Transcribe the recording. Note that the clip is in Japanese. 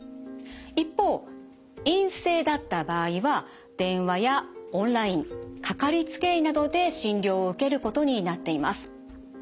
一方陰性だった場合は電話やオンラインかかりつけ医などで診療を受けることになっています。